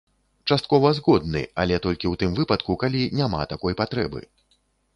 Часткова згодны, але толькі ў тым выпадку, калі няма такой патрэбы.